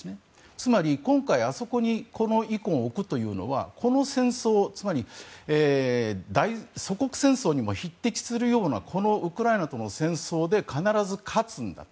つまり今回、あそこにこのイコンを置くというのはこの戦争、つまり大祖国戦争にも匹敵するようなこのウクライナとの戦争で必ず勝つんだと。